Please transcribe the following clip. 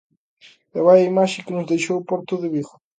E vaia imaxe que nos deixou o porto de Vigo.